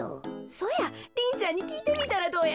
そやリンちゃんにきいてみたらどや？